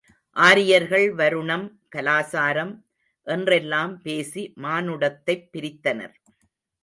ஆரியர்கள், வருணம், கலாசாரம் என்றெல்லாம் பேசி மானுடத்தைப் பிரித்தனர்.